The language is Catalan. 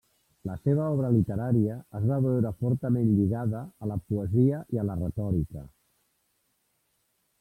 La seva obra literària es va veure fortament lligada a la poesia i la retòrica.